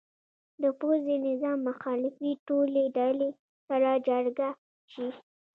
د پوځي نظام مخالفې ټولې ډلې سره جرګه شي.